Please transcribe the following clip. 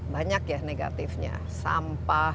banyak ya negatifnya sampah